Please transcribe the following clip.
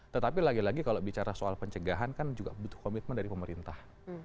tetapi lagi lagi kalau bicara soal pencegahan kan juga butuh komitmen dari pemerintah